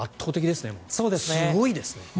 すごいですね。